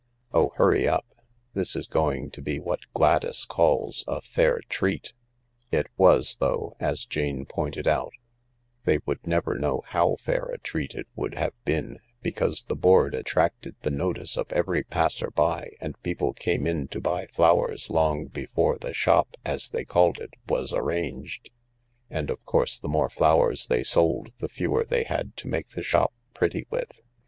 Oh, hurry up I This is going to be what Gladys calls a fair treat/' It was, though, as Jane pointed out, they would never know how fair a treat it would have been, because the board attracted the notice of every passer by and people came in to buy flowers long before the "shop," as they called it, was arranged, and, of course, the more flowers they sold the fewer they had to make the shop pretty with.